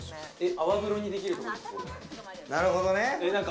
泡ぶろにできるってことですか？